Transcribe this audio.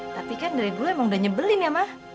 tapi kan dari dulu emang udah nyebelin ya mah